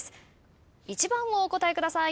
２番をお答えください。